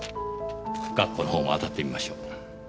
学校のほうも当たってみましょう。